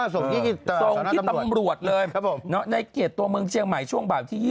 ส่งที่ตำรวจเลยในเขตตัวเมืองเชียงใหม่ช่วงบ่ายที่๒๐